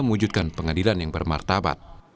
mewujudkan pengadilan yang bermartabat